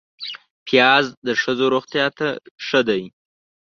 پیاز د ښځو روغتیا ته ښه دی